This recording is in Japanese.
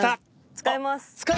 使いますか？